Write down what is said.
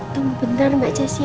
tunggu bentar mbak jess ya